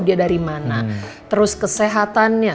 dia dari mana terus kesehatannya